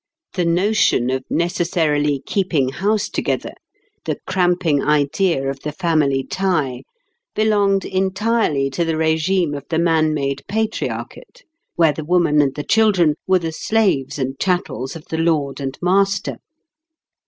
The notion of necessarily keeping house together, the cramping idea of the family tie, belonged entirely to the régime of the man made patriarchate, where the woman and the children were the slaves and chattels of the lord and master.